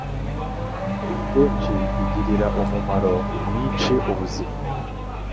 akenshi igirira umumaro mwinshi ubuzima;